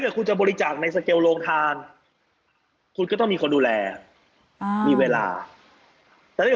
รับกี่โมงกันกี่โมง